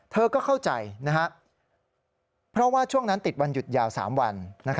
เธอก็เข้าใจเพราะว่าช่วงนั้นติดวันหยุดยาว๓วัน